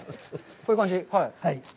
こういう感じ？